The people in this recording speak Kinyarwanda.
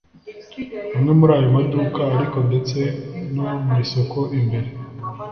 amwe muri ayo maduka ariko ndetse no mu isoko imbere